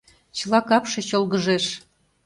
Чыла капше чолгыжеш